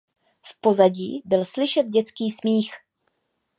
V pozadí byl slyšet dětský smích.